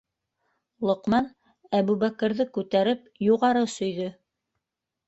Лоҡман Әбүбәкерҙе күтәреп юғары сөйҙө.